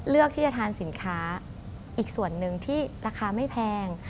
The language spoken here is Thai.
เลือกที่จะทานสินค้าอีกส่วนหนึ่งที่ราคาไม่แพง